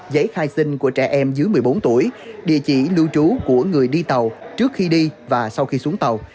giấy khai sinh của trẻ em dưới một mươi bốn tuổi địa chỉ lưu trú của người đi tàu trước khi đi và sau khi xuống tàu